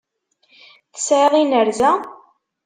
Tisεiḍ inerza?